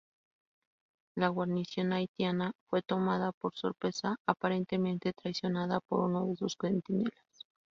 La guarnición haitiana, fue tomada por sorpresa, aparentemente traicionada por uno de sus centinelas.